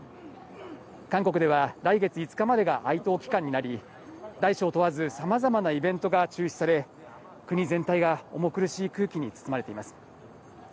韓国では、来月５日までが哀悼期間になり、大小問わずさまざまなイベントが中止され、国全体が重苦しい空気に包まれています。